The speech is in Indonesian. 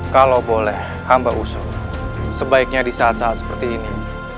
kalau boleh hamba usung sebaiknya di saat saat seperti ini